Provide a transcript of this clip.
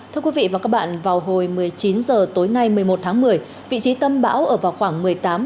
thưa quý vị và các bạn vào hồi một mươi chín h tối nay một mươi một tháng một mươi vị trí tâm bão ở vào khoảng